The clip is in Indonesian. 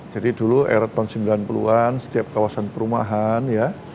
jadi dulu era tahun sembilan puluh an setiap kawasan perumahan ya